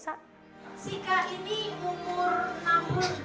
si kak ini umur enam bulan tujuh belas